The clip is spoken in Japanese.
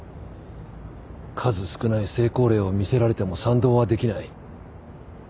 数少ない成功例を見せられても賛同はできない。